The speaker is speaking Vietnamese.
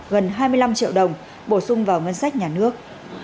gần hai mươi năm triệu đồng bổ sung vào ngân sách nhà nước